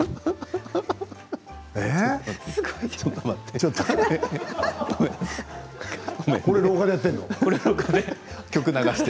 ちょっと待って。